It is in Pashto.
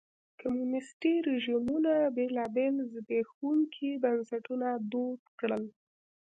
کمونیستي رژیمونو بېلابېل زبېښونکي بنسټونه دود کړل.